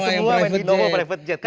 nggak semua yang main binomo private jet